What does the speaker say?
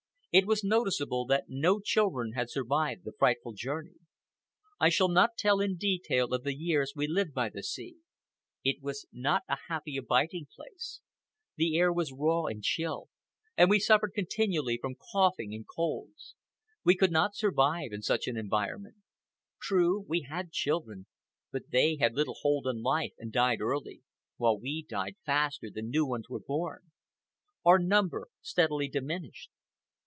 It was noticeable that no children had survived the frightful journey. I shall not tell in detail of the years we lived by the sea. It was not a happy abiding place. The air was raw and chill, and we suffered continually from coughing and colds. We could not survive in such an environment. True, we had children; but they had little hold on life and died early, while we died faster than new ones were born. Our number steadily diminished.